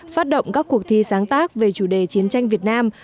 phát động các cuộc thi sáng tác về chủ đề chiến tranh việt nam